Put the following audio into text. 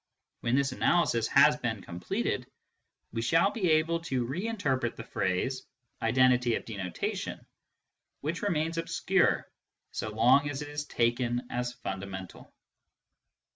When this analysis has been 228 MYSTICISM AND LOGIC completed, we shall be able to reinterpret the phrase " identity of denotation," which remains obscure so long as it is taken as fundamental.